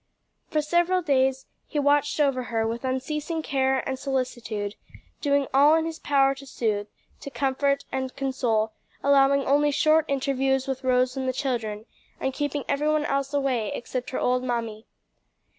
For several days he watched over her with unceasing care and solicitude, doing all in his power to soothe, to comfort and console, allowing only short interviews with Rose and the children, and keeping every one else away except her old mammy.